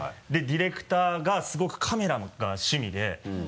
ディレクターがすごくカメラが趣味で。